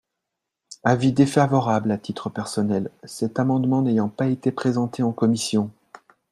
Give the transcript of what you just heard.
Avis défavorable à titre personnel, cet amendement n’ayant pas été présenté en commission.